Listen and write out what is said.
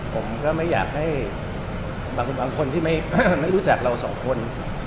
ผมก็ไม่อยากให้บางคนที่ไม่รู้จักเราสองคน